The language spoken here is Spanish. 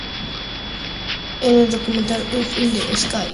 En documental "Up in the Sky!